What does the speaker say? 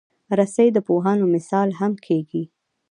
رسۍ د پوهانو مثال هم کېږي.